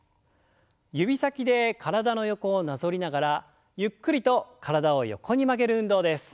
指先で体の横をなぞりながらゆっくりと体を横に曲げる運動です。